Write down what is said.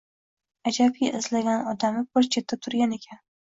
Ajabki, izlagan odami bir chetda turgan ekan